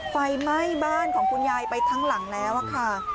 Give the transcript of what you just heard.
ไฟไหม้บ้านของคุณยายไปทั้งหลังแล้วค่ะ